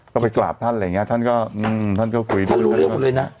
ก็ไปกราบท่านอะไรอย่างเงี้ท่านก็อืมท่านก็คุยด้วยท่านรู้เรื่องหมดเลยนะ